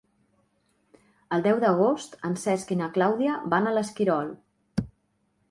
El deu d'agost en Cesc i na Clàudia van a l'Esquirol.